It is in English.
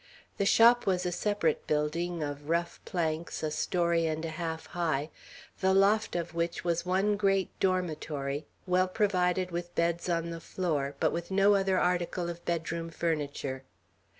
The shop was a separate building, of rough planks, a story and a half high, the loft of which was one great dormitory well provided with beds on the floor, but with no other article of bedroom furniture.